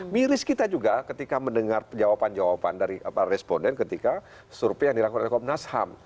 miris kita juga ketika mendengar jawaban jawaban dari para responden ketika survei yang dilakukan oleh komnas ham